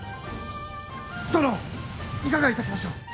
殿いかがいたしましょう？